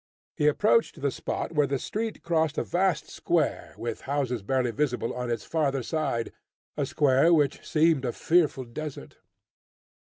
He approached the spot where the street crossed a vast square with houses barely visible on its farther side, a square which seemed a fearful desert.